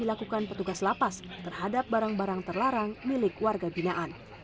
lapas terhadap barang barang terlarang milik warga binaan